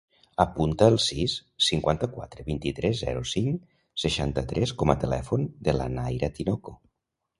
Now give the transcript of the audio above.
Apunta el sis, cinquanta-quatre, vint-i-tres, zero, cinc, seixanta-tres com a telèfon de la Naira Tinoco.